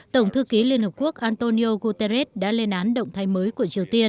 tổng thư ký liên hợp quốc antonio guterres đã lên án động thái mới của triều tiên